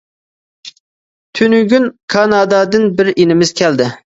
تۈنۈگۈن كانادادىن بىر ئىنىمىز كەلدى.